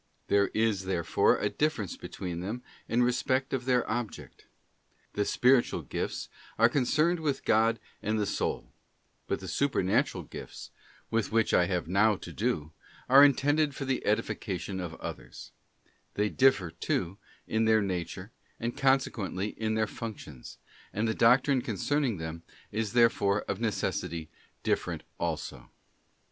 There is, therefore, a difference between them in respect of their object. The spiritual gifts are concerned with God and the soul, but the supernatural gifts, with which I have now to do, are intended for the edification of others; they differ, too, in their nature, and consequently in their functions, and the doctrine concerning them is therefore of necessity different also.